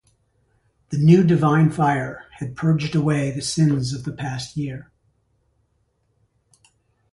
The new divine fire had purged away the sins of the past year.